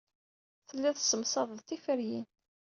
Telliḍ tessemdaseḍ tiferyin.